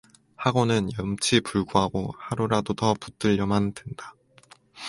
하고는 염치불구하고 하루라도 더 붙들려만 든다.